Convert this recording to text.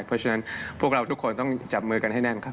เพราะฉะนั้นพวกเราทุกคนต้องจับมือกันให้แน่นครับ